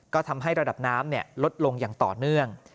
ก็ทำให้ระดับน้ำลดลงอย่างต่อเนื่อง